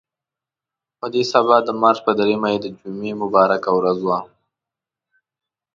په دې سبا د مارچ په درېیمه چې د جمعې مبارکه ورځ وه.